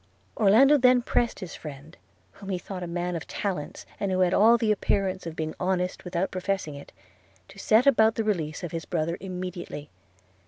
Orlando then pressed his friend (whom he thought a man of talents, and who had all the appearance of being honest without professing it) to set about the release of his brother immediately.